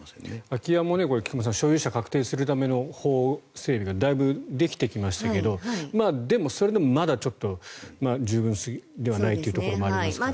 空き家も所有者が確定するための法整備がだいぶできてきましたがでも、それでもまだちょっと十分ではないというところもありますが。